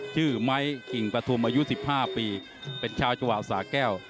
ชื่อไม้กิ่งประทุมอายุ๑๕ปีเป็นชาวจวาสาแก้ว